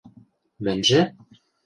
– Мӹньжӹ?